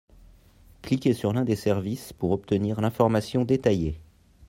Cliquez sur l'un des services pour obtenir l'information détaillée.